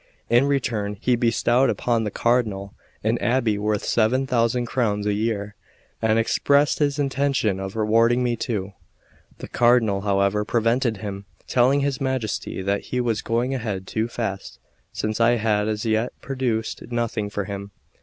In return, he bestowed upon the Cardinal an abbey worth seven thousand crowns a year, and expressed his intention of rewarding me too. The Cardinal, however, prevented him, telling his Majesty that he was going ahead too fast, since I had as yet produced nothing for him.